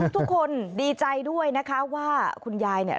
ทุกคนดีใจด้วยนะคะว่าคุณยายเนี่ย